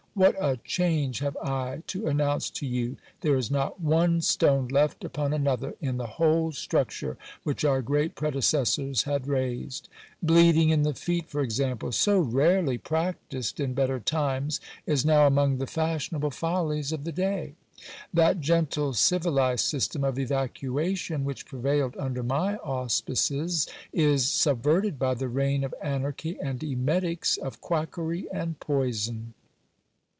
What a change have I to announce to you ! There is not one stone left upon another in the whole structure which our great predecessors had raised. Bleeding in the feet, for example, so rarely practised in better times, is now among the fashionable follies of the day. That gentle, civilized system of evacuation which prevailed under my auspices is subverted by the reign of anarchy and emetics, of quackery and poison.